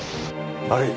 悪い。